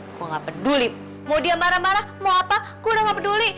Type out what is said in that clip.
aku nggak peduli mau dia marah marah mau apa gue udah gak peduli